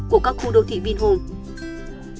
của các khu đô thị vinhome